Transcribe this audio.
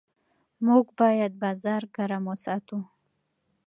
موږ باید بازار ګرم وساتو.